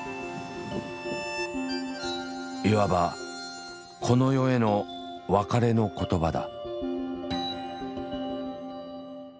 いわばこの世への別れの言葉だ。